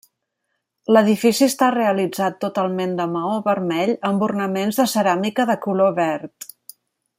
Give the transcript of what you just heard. L'edifici està realitzat totalment de maó vermell amb ornaments de ceràmica de color verd.